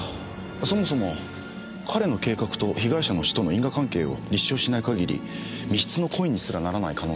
そもそも彼の計画と被害者の死との因果関係を立証しない限り未必の故意にすらならない可能性もあります。